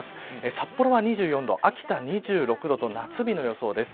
札幌は２４度、秋田２６度と夏日の予想です。